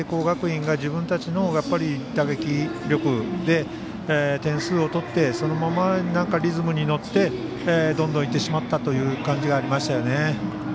学院が自分たちの打撃力で点数を取ってそのままリズムに乗ってどんどんいってしまった感じがありますよね。